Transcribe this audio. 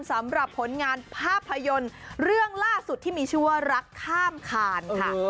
สำหรับผลงานภาพยนตร์เรื่องล่าสุดที่มีชื่อว่ารักข้ามคานค่ะ